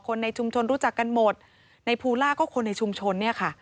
คนในชุมชนรู้จักกันหมดในภูล่าก็คนในชุมชนเนี่ยค่ะ